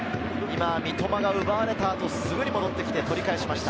三笘が奪われたあとすぐに戻ってきて取り返しました。